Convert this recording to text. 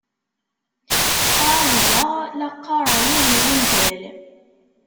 Ɛawzeɣ la qqareɣ yiwen n wungal.